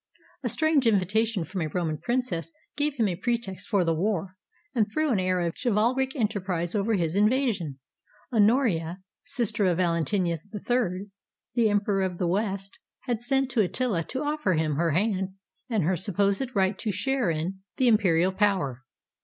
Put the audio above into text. ... A strange invitation from a Roman princess gave him a pretext for the war, and threw an air of chivalric enterprise over his invasion. Honoria, sister of Valen tinian III, the Emperor of the West, had sent to Attila to offer him her hand and her supposed right to share in 542 i HOW THE EMPIRE WAS SAVED the imperial power.